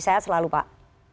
saya selalu pak